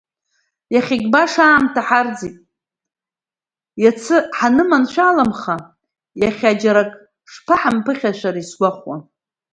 Иахьагьы баша аамҭа ҳарӡит, иацы ҳаныманшәаламха, иахьа џьара ак шԥаҳԥыхьамшәари сгәахәуан…